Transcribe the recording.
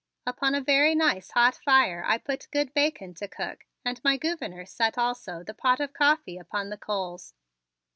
Upon a very nice hot fire I put good bacon to cook and my Gouverneur set also the pot of coffee upon the coals.